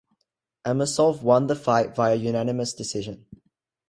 Amosov won the fight via unanimous decision.